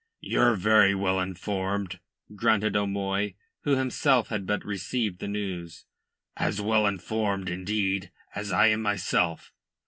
"Ye're very well informed," grunted O'Moy, who himself had but received the news. "As well informed, indeed, as I am myself."